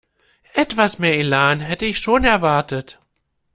Etwas mehr Elan hätte ich schon erwartet.